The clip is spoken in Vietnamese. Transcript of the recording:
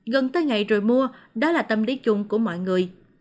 gần tới ngày rồi mua đó là tâm lý chung của mọi người